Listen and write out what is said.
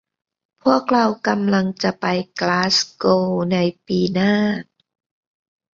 พวกเรากำลังจะไปกลาสโกวในปีหน้า